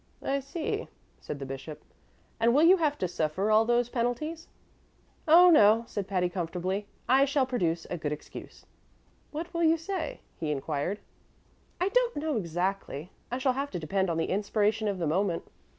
"I see," said the bishop; "and will you have to suffer all of those penalties?" "Oh, no," said Patty, comfortably; "I shall produce a good excuse." "What will you say?" he inquired. "I don't know, exactly; I shall have to depend on the inspiration of the moment."